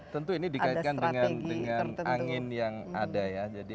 tentu ini dikaitkan dengan